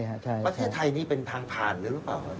ประเทศไทยนี่เป็นทางผ่านหรือเปล่า